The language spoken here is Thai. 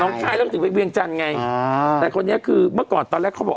ค่ายแล้วก็ถึงไปเวียงจันทร์ไงอ่าแต่คนนี้คือเมื่อก่อนตอนแรกเขาบอก